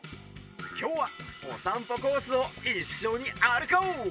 きょうはおさんぽコースをいっしょにあるこう！